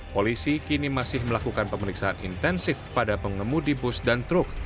polisi kini masih melakukan pemeriksaan intensif pada pengemudi bus dan truk